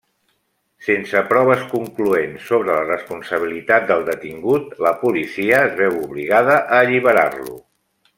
Sense proves concloents sobre la responsabilitat del detingut, la policia es veu obligada a alliberar-lo.